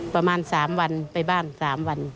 ประมาณสามวันไปบ้านสามวัน